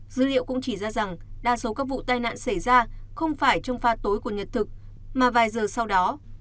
dữ liệu cũng chỉ ra rằng đa số các vụ tai nạn xảy ra không phải trong pha tối của nhật thực mà vài giờ sau đó